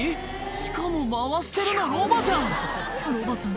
しかも回してるのロバじゃんロバさん